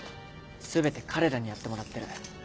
全て彼らにやってもらってる。